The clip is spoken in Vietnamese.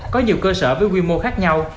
có nhiều cơ sở với quy mô khác nhau